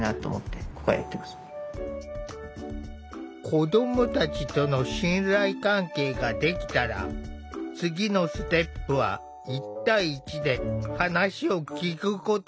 子どもたちとの信頼関係ができたら次のステップは１対１で話を聴くことだ。